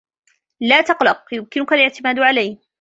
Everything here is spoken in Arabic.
لا تقلق. يمكنك الإعتماد علي.